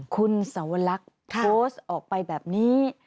คุณสวรรคโพสต์ออกไปแบบนี้